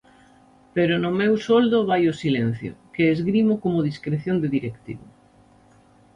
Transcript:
Pero no meu soldo vai o silencio, que esgrimo como discreción de directivo.